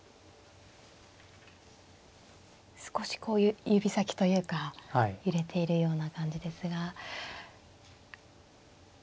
少しこういう指先というか揺れているような感じですが。